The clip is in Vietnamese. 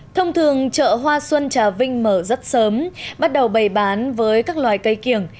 thông thường chợ hoa xuân trà vinh mở rất sớm bắt đầu bày bán với các loài cây kiểng